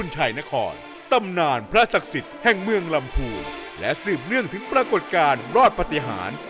จากเนื่องถึงปรากฏการณ์รอดปฏิหาร